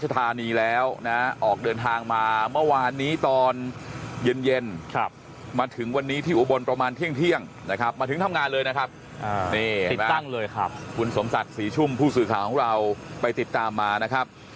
ติดตั้งเลยครับคุณสมศักดิ์ศรีชุ่มผู้สื่อข่าวของเราไปติดตามมานะครับ